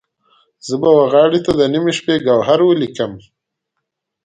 زه به وغاړې ته د نیمې شپې، ګوهر ولیکم